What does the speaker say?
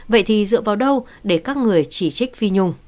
vậy thì dựa vào đâu để các người chỉ trích phi nhung